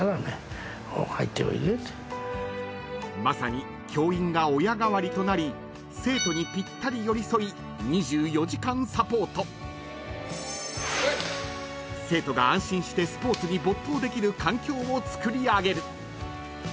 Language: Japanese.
［まさに教員が親代わりとなり生徒にぴったり寄り添い２４時間サポート］［生徒が安心してスポーツに没頭できる環境をつくりあげる］